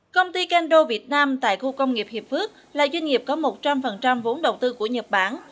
công ty kendo việt nam tại khu công nghiệp hiệp phước là doanh nghiệp có một trăm linh vốn đầu tư của nhật bản